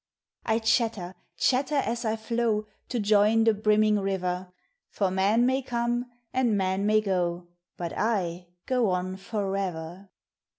I chatter, chatter, as I flow To join the brimming river; For men may come and men may go. But I go on forever.